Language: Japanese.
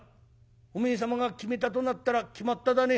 「おめえ様が決めたとなったら決まっただね」。